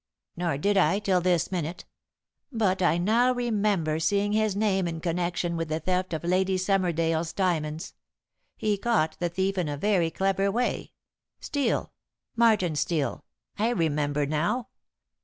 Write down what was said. "Nor did I till this minute. But I now remember seeing his name in connection with the theft of Lady Summersdale's diamonds. He caught the thief in a very clever way. Steel Martin Steel, I remember now.